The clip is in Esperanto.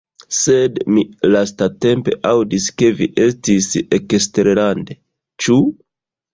Sed mi lastatempe aŭdis ke vi estis eksterlande, ĉu?